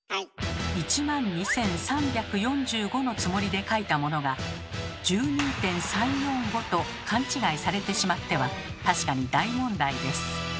「１万２３４５」のつもりで書いたものが「１２点３４５」と勘違いされてしまっては確かに大問題です。